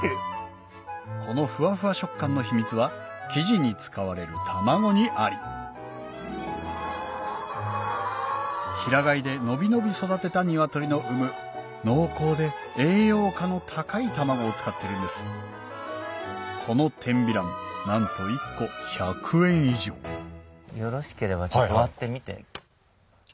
このふわふわ食感の秘密は生地に使われる卵にあり平飼いで伸び伸び育てた鶏の産む濃厚で栄養価の高い卵を使ってるんですこの天美卵なんと１個１００円以上よろしければ割ってみて。